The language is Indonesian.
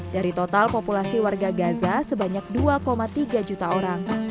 dari total populasi warga gaza sebanyak dua tiga juta orang